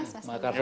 selamat datang mas